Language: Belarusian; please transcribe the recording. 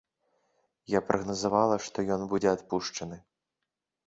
Я прагназавала, што ён будзе адпушчаны.